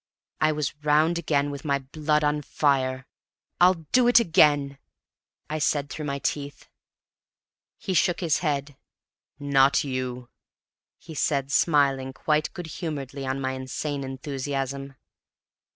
I was round again with my blood on fire. "I'll do it again," I said, through my teeth. He shook his head. "Not you," he said, smiling quite good humoredly on my insane enthusiasm.